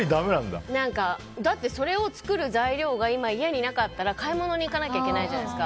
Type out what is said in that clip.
それを作る材料が今、家になかったら買い物に行かないといけないじゃないですか。